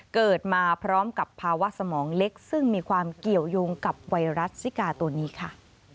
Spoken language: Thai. เกิดมาพร้อมกับภาวะสมองเล็กซึ่งมีความเกี่ยวยงกับไวรัสซิกาตัวนี้ค่ะ